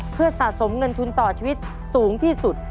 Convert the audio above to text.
เพื่อสะสมเงินทุนต่อชีวิตสูงที่สุด